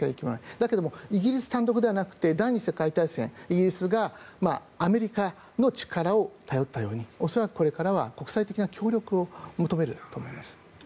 しかし、イギリス単独ではなくて第２次世界大戦、イギリスがアメリカの力を頼ったように恐らくこれからは国際的な協力を求めると思います。